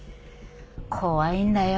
怖いんだよ